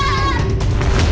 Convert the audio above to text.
jangan lupa siapkan kameranya